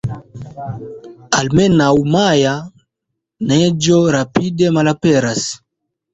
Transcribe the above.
Almenaŭ maja neĝo rapide malaperas!